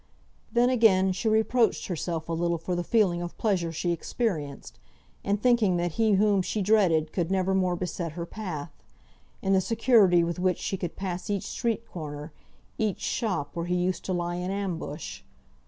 Then, again, she reproached herself a little for the feeling of pleasure she experienced, in thinking that he whom she dreaded could never more beset her path; in the security with which she could pass each street corner each shop, where he used to lie in ambush.